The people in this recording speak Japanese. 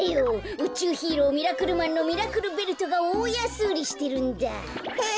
うちゅうヒーローミラクルマンのミラクルベルトがおおやすうりしてるんだ。え！